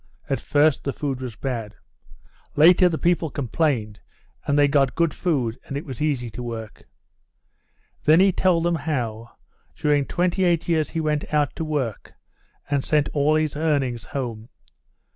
At first the food was bad. Later the people complained, and they got good food, and it was easy to work." Then he told them how, during 28 years he went out to work, and sent all his earnings home.